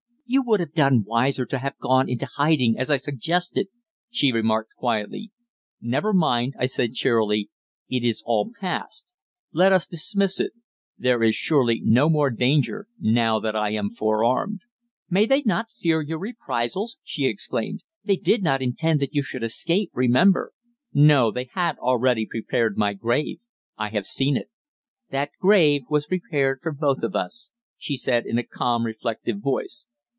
"You would have done wiser to have gone into hiding, as I suggested," she remarked quietly. "Never mind," I said cheerily. "It is all past. Let us dismiss it. There is surely no more danger now that I am forearmed." "May they not fear your reprisals?" she exclaimed. "They did not intend that you should escape, remember." "No, they had already prepared my grave. I have seen it." "That grave was prepared for both of us," she said in a calm, reflective voice.